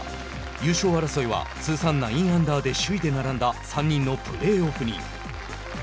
優勝争いは通算９アンダーで首位に並んだ３人のプレーオフに。